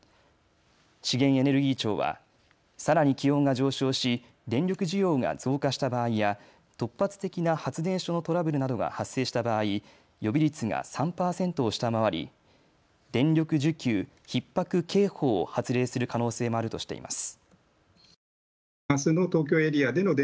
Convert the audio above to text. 資源エネルギー庁はさらに気温が上昇し電力需要が増加した場合や突発的な発電所のトラブルなどが発生した場合、予備率が３％を下回り、電力需給ひっ迫警報を発令する可能性もあるとしています。